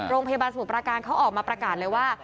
โรงพยาบาลสมุทรปราการเขาออกมาประการเลยว่า